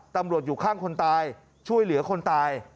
อยู่ข้างคนตายช่วยเหลือคนตาย